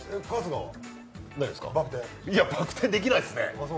いや、バク転できないですね